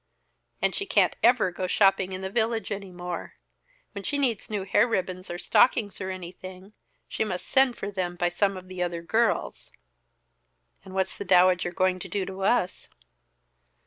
And she can't ever go shopping in the village any more. When she needs new hair ribbons or stockings or anything, she must send for them by some of the other girls." "And what's the Dowager going to do to us?"